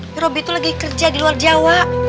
si robby tuh lagi kerja di luar jawa